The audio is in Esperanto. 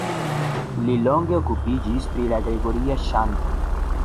Li longe okupiĝis pri la gregoria ĉanto.